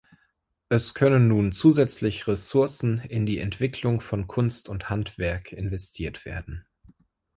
Es können nun zusätzlich Ressourcen in die Entwicklung von Kunst und Handwerk investiert werden.